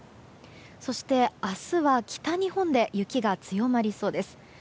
そして、明日は北日本で雪が強まりそうです。